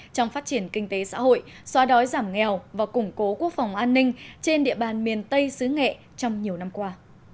trong phát triển kinh tế xã hội xóa đói giảm nghèo và củng cố quốc phòng an ninh trên địa bàn miền tây xứ nghệ trong nhiều năm qua